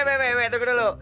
hehehe tunggu dulu